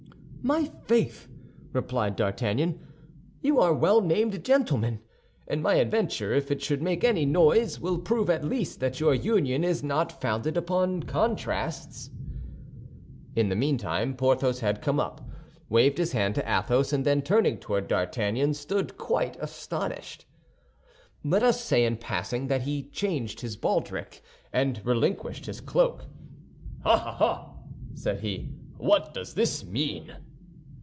"My faith!" replied D'Artagnan, "you are well named, gentlemen; and my adventure, if it should make any noise, will prove at least that your union is not founded upon contrasts." In the meantime, Porthos had come up, waved his hand to Athos, and then turning toward D'Artagnan, stood quite astonished. Let us say in passing that he had changed his baldric and relinquished his cloak. "Ah, ah!" said he, "what does this mean?"